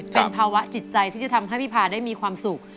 เป็นภาวะจิตใจที่จะทำให้พี่พาได้มีความสุข